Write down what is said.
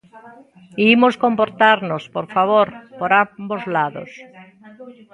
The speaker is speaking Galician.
Imos comportarnos, por favor, por ambos lados.